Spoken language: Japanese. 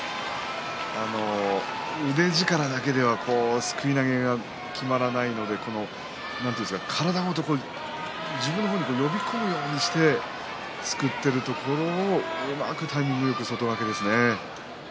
腕力だけではすくい投げがきまらないので体ごと自分の方に呼び込むようにしてすくっているところをうまくタイミングよく外掛けですね。